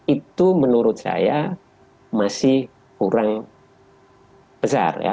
itu menurut saya masih kurang besar ya